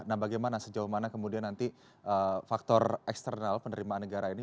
nah bagaimana sejauh mana kemudian nanti faktor eksternal penerimaan negara ini